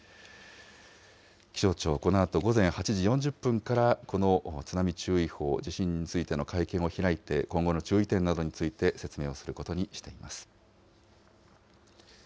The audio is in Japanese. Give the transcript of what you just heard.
気象庁、このあと午前８時４０分から、この津波注意報、地震についての会見を開いて、今後の注意点などについて説明をすることにしています。